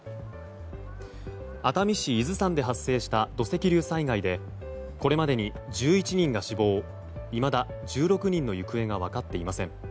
熱海市伊豆山で発生した土石流災害でこれまでに１１人が死亡いまだ１６人の行方が分かっていません。